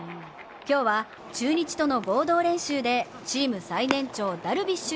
今日は中日との合同練習でチーム最年長・ダルビッシュ